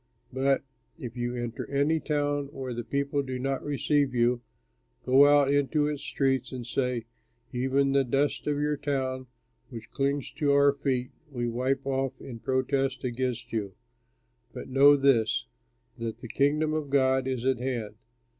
But if you enter any town where the people do not receive you, go out into its streets and say, 'Even the dust of your town which clings to our feet, we wipe off in protest against you.' But know this: that the Kingdom of God is at hand.